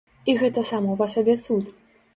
І гэта само па сабе цуд.